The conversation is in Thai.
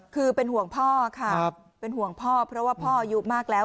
คือเป็นห่วงพ่อค่ะเป็นห่วงพ่อเพราะว่าพ่ออายุมากแล้ว